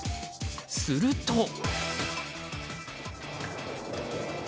すると。